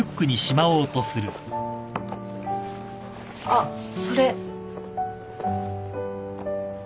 あっそれ。